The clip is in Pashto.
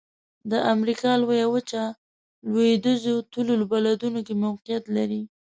د امریکا لویه وچه لویدیځو طول البلدونو کې موقعیت لري.